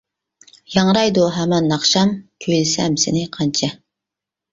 ياڭرايدۇ ھامان ناخشام، كۈيلىسەم سېنى قانچە.